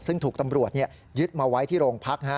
ซึ่งถูกตำรวจยึดมาไว้ที่โรงพัก